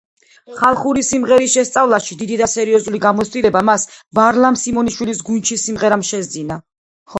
ხალხური სიმღერის შესწავლაში დიდი და სერიოზული გამოცდილება მას ვარლამ სიმონიშვილის გუნდში სიმღერამ შესძინა.